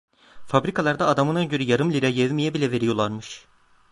Fabrikalarda adamına göre yarım lira yevmiye bile veriyorlarmış.